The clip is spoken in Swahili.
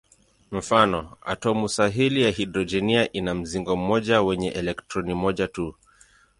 Mfano: atomu sahili ya hidrojeni ina mzingo mmoja wenye elektroni moja tu.